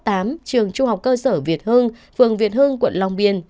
trường trung học cơ sở việt hương phường việt hương quận long biên